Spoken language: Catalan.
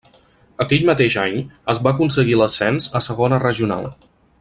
Aquell mateix any es va aconseguir l'ascens a segona regional.